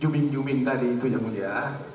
jumin jumin tadi itu yang mulia